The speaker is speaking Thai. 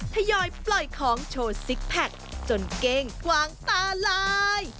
ทยอยปล่อยของโชว์ซิกแพคจนเก้งกวางตาลาย